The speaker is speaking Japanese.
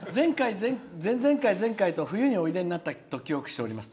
前々回、前回と冬においでになったと記憶しております。